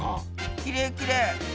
きれいきれい。